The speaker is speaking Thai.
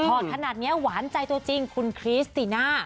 อดขนาดนี้หวานใจตัวจริงคุณคริสติน่า